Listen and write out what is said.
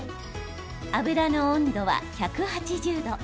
油の温度は１８０度。